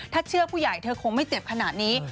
ถ้าเชื่อผู้ใหญ่เธอคงไม่เจ็บขนาดนี้